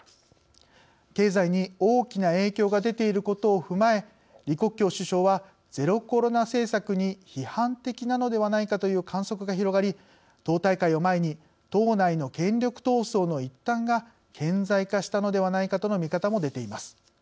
経済に大きな影響が出ていることを踏まえ李克強首相はゼロコロナ政策に批判的なのではないかという観測が広がり党大会を前に党内の権力闘争の一端が顕在化したのではないかとの見方も出ています。